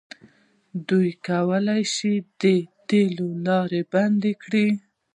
دوی کولی شي د تیلو لاره بنده کړي.